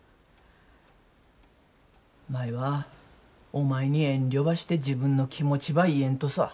舞はお前に遠慮ばして自分の気持ちば言えんとさ。